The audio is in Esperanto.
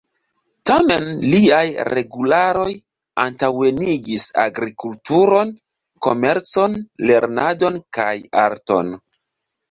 Tamen liaj regularoj antaŭenigis agrikulturon, komercon, lernadon kaj arton.